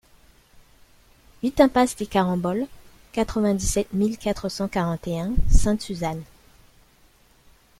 huit impasse des Caramboles, quatre-vingt-dix-sept mille quatre cent quarante et un Sainte-Suzanne